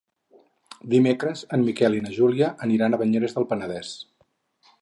Dimecres en Miquel i na Júlia aniran a Banyeres del Penedès.